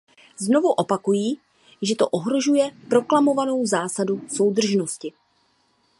Znovu opakuji, že to ohrožuje proklamovanou zásadu soudržnosti.